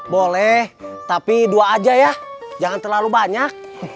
boleh tapi dua aja ya jangan terlalu banyak